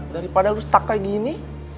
daripada lo setak kayak gini